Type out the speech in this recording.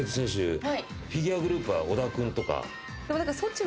フィギュアグループは織田君とか？